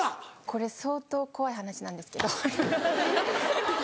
これ相当怖い話なんですけど。